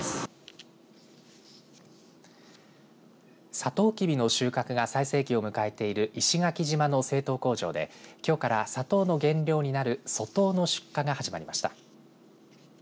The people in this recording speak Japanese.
さとうきびの収穫が最盛期を迎えている石垣島の製糖工場できょうから砂糖の原料になる粗糖の出荷が始まりました。